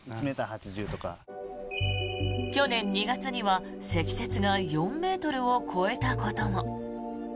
去年２月には積雪が４ｍを超えたことも。